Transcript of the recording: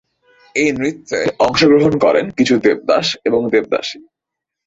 এই নৃত্যে অংশগ্রহণ করেন কিছু দেবদাস এবং দেবদাসী।